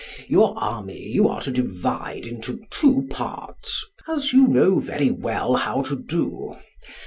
Your army you are to divide into two parts, as you know very well how to do.